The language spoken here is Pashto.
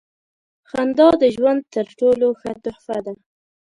• خندا د ژوند تر ټولو ښه تحفه ده.